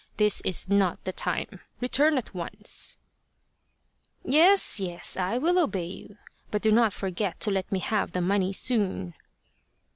This is not the time. Return at once !"" Yes, yes, I will obey you, but do not forget to let me have the money soon."